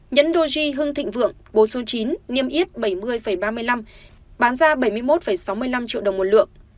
nhẫn doji hưng thịnh vượng bốn số chín niêm yết bảy mươi ba mươi năm bán ra bảy mươi một sáu mươi năm triệu đồng một lượng